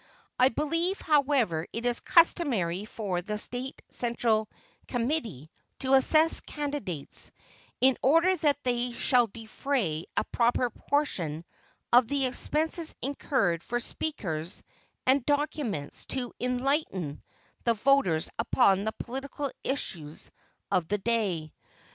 I believe, however, it is customary for the State Central Committee to assess candidates, in order that they shall defray a proper portion of the expenses incurred for speakers and documents to enlighten the voters upon the political issues of the day.